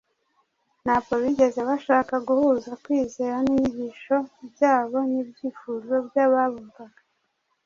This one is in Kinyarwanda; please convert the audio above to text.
Ntabwo bigeze bashaka guhuza kwizera n’inyigisho byabo n’ibyifuzo by’ababumvaga,